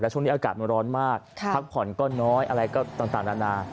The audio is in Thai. ช่วงนี้อากาศมันร้อนมากพักผ่อนก็น้อยอะไรก็ต่างนานา